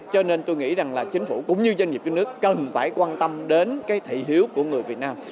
cho nên tôi nghĩ rằng là chính phủ cũng như doanh nghiệp trong nước cần phải quan tâm đến cái thị hiếu của người việt nam